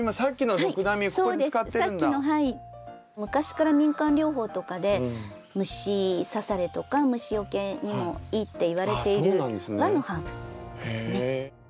昔から民間療法とかで虫さされとか虫よけにもいいっていわれている和のハーブですね。